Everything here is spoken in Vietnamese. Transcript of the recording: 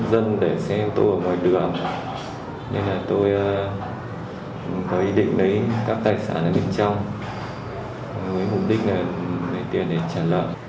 những người dân để xe ô tô ở ngoài đường nên là tôi mới định lấy các tài sản ở bên trong với mục đích để tiền để trả lợi